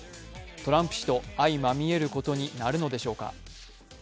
トランプ氏と相まみえることになるのでしょうか。